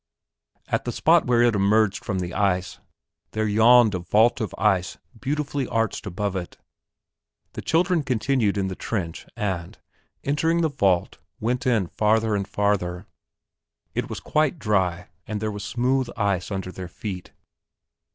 At the spot where it emerged from the ice there yawned a vault of ice beautifully arched above it. The children continued in the trench and, entering the vault, went in farther and farther. It was quite dry and there was smooth ice under their feet.